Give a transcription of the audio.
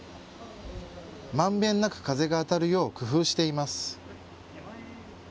まんべんなく風が当たるよう工夫しています。